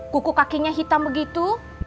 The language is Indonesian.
kuku kakinya hitam begitu